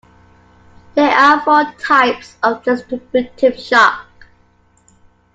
There are four types of distributive shock.